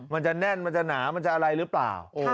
มันจะแน่นมันจะหนามันจะอะไรหรือเปล่า